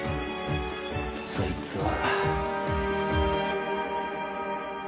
そいつは。